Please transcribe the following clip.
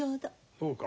そうか？